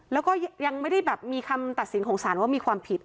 แล้วก็ยังไม่ได้แบบมีคำตัดสินของสารว่ามีความผิด